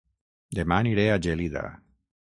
Dema aniré a Gelida